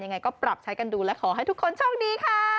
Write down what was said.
ยังไงก็ปรับใช้กันดูและขอให้ทุกคนโชคดีค่ะ